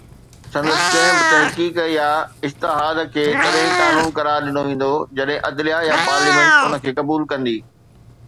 سندس ڪنهن به تحقيق يا اجتهاد کي تڏهن قانون قرار ڏنو ويندو جڏهن عدليه يا پارليامينٽ ان کي قبول ڪندي